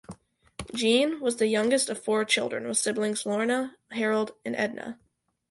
Jean was the youngest of four children with siblings Lorna, Harold and Edna.